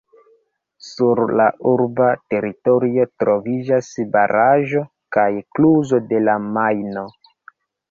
Sur la urba teritorio troviĝas baraĵo kaj kluzo de la Majno.